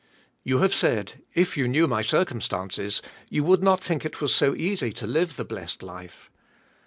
You have said, If you knew my circumstances you would not think it was so easy to live the blessed life."